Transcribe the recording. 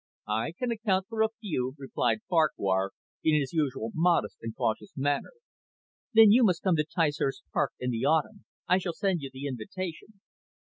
"I can account for a few," replied Farquhar, in his usual modest and cautious manner. "Then you must come to Ticehurst Park in the autumn. I shall send you the invitation."